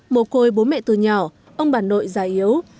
mồ côi bố mẹ từ nhỏ ông bà nội già yếu